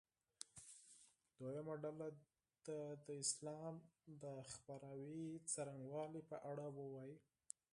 دویمه ډله دې د اسلام د خپراوي څرنګوالي په اړه ووایي.